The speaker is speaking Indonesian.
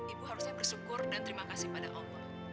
ibu berharusnya bersyukur dan terima kasih kepada tuhan